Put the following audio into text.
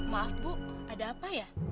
maaf bu ada apa ya